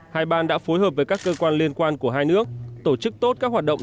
hai ban đã phối hợp với các cơ quan liên quan của hai nước tổ chức tốt các hoạt động